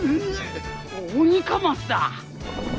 オニカマスだ！